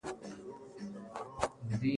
ثمر ګل وویل چې هره ونه یو ژوند لري.